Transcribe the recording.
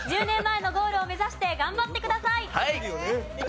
１０年前のゴールを目指して頑張ってください。